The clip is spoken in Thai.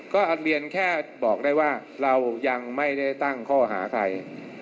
ก็เรียนแค่บอกได้ว่าเรายังไม่ได้ตั้งข้อหาใคร